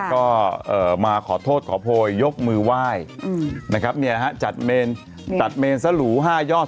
ก็มาขอโทษขอโพยยกมือไหว้จัดเมลสร้าหรู๕ยอด